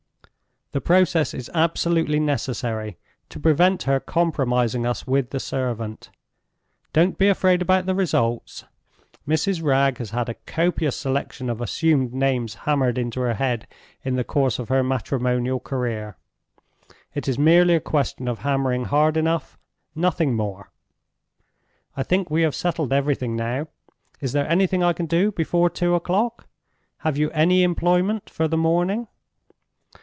The process is absolutely necessary, to prevent her compromising us with the servant. Don't be afraid about the results; Mrs. Wragge has had a copious selection of assumed names hammered into her head in the course of her matrimonial career. It is merely a question of hammering hard enough—nothing more. I think we have settled everything now. Is there anything I can do before two o'clock? Have you any employment for the morning?"